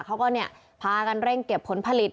เขาก็พากันเร่งเก็บผลผลิต